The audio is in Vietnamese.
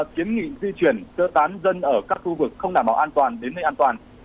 kiến nghị di chuyển sơ tán dân ở các khu vực không đảm bảo an toàn đến nơi an toàn